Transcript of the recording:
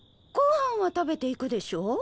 ご飯は食べていくでしょ？